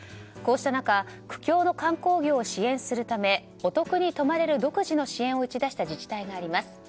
こうした中苦境の観光業を支援するためお得に泊まれる独自の支援を打ち出した自治体があります。